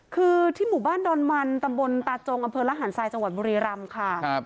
คือที่หมู่บ้านดอนมันตำบลตาจงอำเภอระหารทรายจังหวัดบุรีรำค่ะ